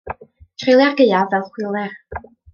Treulia'r gaeaf fel chwiler.